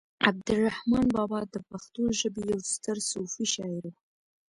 عبد الرحمان بابا د پښتو ژبې يو ستر صوفي شاعر و